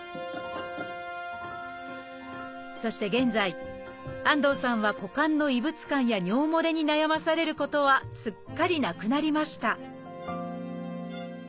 そして現在安藤さんは股間の異物感や尿もれに悩まされることはすっかりなくなりました！